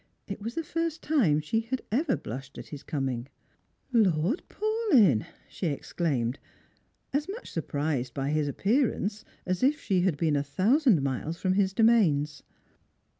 It was the first time she had ever blushed at his coming. " Lord Paulyn !" she exclaimed ; as much surprised by his appearance as if she had been a thousand miles from his domains.